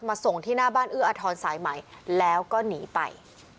ส่งที่หน้าบ้านเอื้ออทรสายใหม่แล้วก็หนีไป